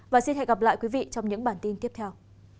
và xin hẹn gặp lại quý vị trong những bản tin tiếp theo